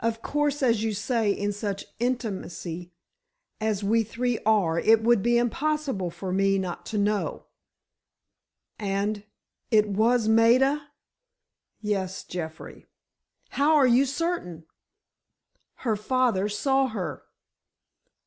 Of course, as you say, in such intimacy as we three are, it would be impossible for me not to know." "And—it was Maida?" "Yes, Jeffrey." "How are you certain?" "Her father saw her."